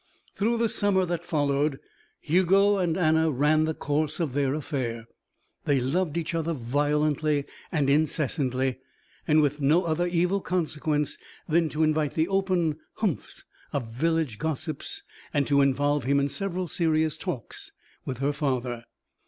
Through the summer that followed, Hugo and Anna ran the course of their affair. They loved each other violently and incessantly and with no other evil consequence than to invite the open "humphs" of village gossips and to involve him in several serious talks with her father.